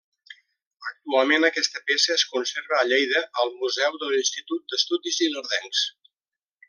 Actualment aquesta peça es conserva a Lleida, al Museu de l'Institut d'Estudis Ilerdencs.